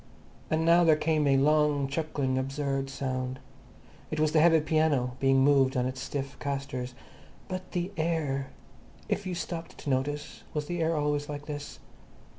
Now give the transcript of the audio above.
And now there came a long, chuckling absurd sound. It was the heavy piano being moved on its stiff castors. But the air! If you stopped to notice, was the air always like this?